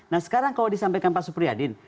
nah sekarang kalau disampaikan pak supriyadin